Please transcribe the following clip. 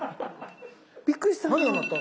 びっくりした。